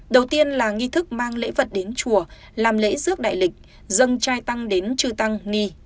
đầu tiên là nghi thức mang lễ vật đến chùa làm lễ rước đại lịch dân trai tăng đến trư tăng ni